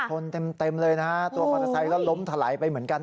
ชนเต็มเลยนะฮะตัวมอเตอร์ไซค์ก็ล้มถลายไปเหมือนกัน